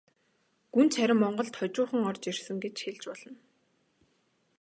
Гүнж харин монголд хожуухан орж ирсэн гэж хэлж болно.